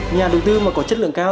nhà đầu tư mà có chất lượng cao